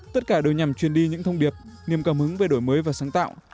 tất cả đều nhằm truyền đi những thông điệp niềm cảm hứng về đổi mới và sáng tạo